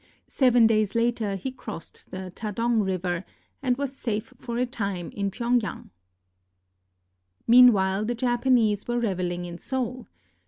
Seven days later he crossed the Tadong River, and was safe for a time in Pyeng yang. Meanwhile the Japanese were revehng in Seoul.